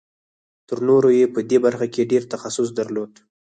تر نورو یې په دې برخه کې ډېر تخصص درلود